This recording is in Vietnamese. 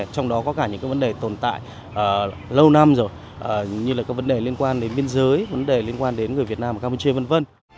trong đó có cả những vấn đề tồn tại lâu năm rồi như là các vấn đề liên quan đến biên giới vấn đề liên quan đến người việt nam ở campuchia v v